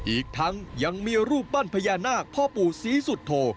อีกทั้งยังมีรูปปั้นพญานาคพ่อปู่ศรีสุโธ